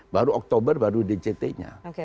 baru oktober baru dct nya